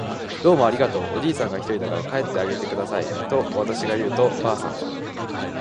「どうもありがとう。」おじいさんがひとりだから帰ってあげてください。」とわたしが言うと、ばあさんは